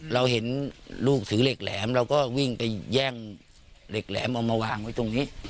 เราเห็นลูกถือเหล็กแหลมเราก็วิ่งไปแย่งเหล็กแหลมเอามาวางไว้ตรงนี้